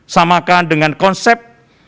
samakan dengan konsep